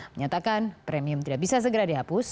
menyatakan premium tidak bisa segera dihapus